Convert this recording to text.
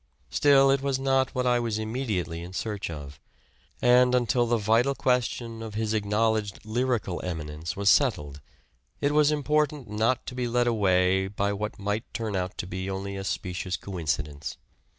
Still it was not what I was imme diately in search of ; and until the vital question of his acknowledged lyrical eminence was settled it was important not to be led away by what might turn out to be only a specious coincidence.